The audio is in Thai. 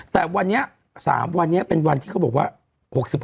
แต่วันนี้๓วันนี้เป็นวันที่เขาบอกว่า